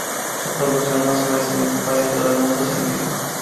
Su producción más sobresaliente fue dentro del mundo científico.